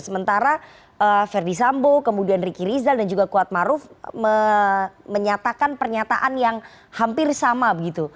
sementara verdi sambo kemudian riki rizal dan juga kuatmaruf menyatakan pernyataan yang hampir sama begitu